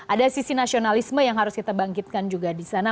ada sisi nasionalisme yang harus kita bangkitkan juga disana